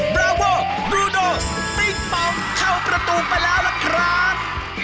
ราโวบลูโดสปิ๊งปองเข้าประตูไปแล้วล่ะครับ